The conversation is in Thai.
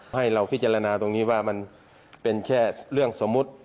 ให้เราพิจารณาตรงนี้ว่ามันเป็นแค่เรื่องสมมุติ